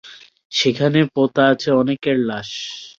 সেখানে পোতা আছে অনেকের লাশ।